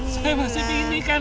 saya masih bingin kak nek